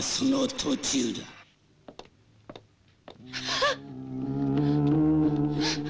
あっ！